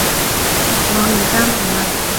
我而家明喇